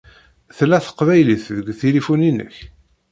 Tella teqbaylit deg tilifu-inek?